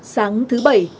sáng thứ bảy